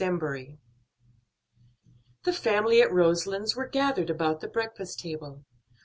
EMBURY. The family at Roselands were gathered about the breakfast table.